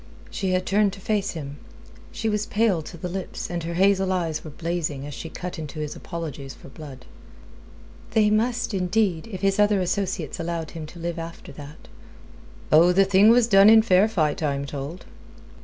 She had turned to face him. She was pale to the lips, and her hazel eyes were blazing, as she cut into his apologies for Blood. "They must, indeed, if his other associates allowed him to live after that." "Oh, the thing was done in fair fight, I am told."